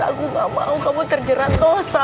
aku gak mau kamu terjerat kosa